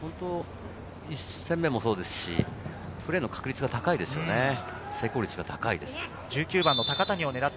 １戦目もそうですし、プレーの確率、成功率が高いです。